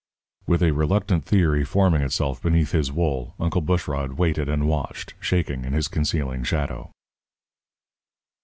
With a reluctant theory forming itself beneath his wool, Uncle Bushrod waited and watched, shaking in his concealing shadow.